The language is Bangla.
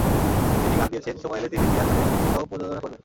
তিনি কথা দিয়েছেন, সময় এলে তিনি রিয়ার গানের সিডির সহ-প্রযোজনা করবেন।